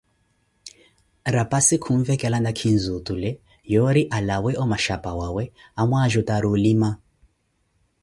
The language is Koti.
Rapasi khunvekela nakhinzi otule yoori alwawe omaxhapa wawe, yoori amwajutari olima.